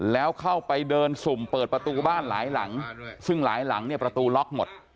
แล้วเข้าไปเดินสุ่มเปิดประตูบ้านหลายหลังซึ่งหลายหลังเนี่ยประตูล็อกหมด